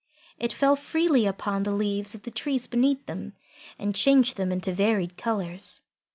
It fell freely upon the leaves of the trees beneath them, and changed them into varied colours.